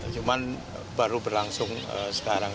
cuman baru berlangsung sekarang